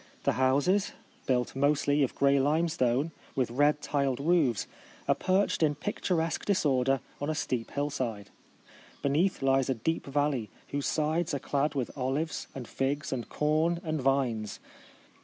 The houses, built mostly of grey lime stone, with red tiled roofs, are perched in picturesque disorder on a steep hillside. Beneath lies a deep valley, whose sides are clad with olives, and figs, and corn, and vines.